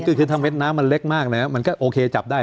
ก็คือถ้าเด็ดน้ำมันเล็กมากแล้วมันก็โอเคจับได้